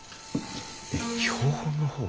えっ標本の方？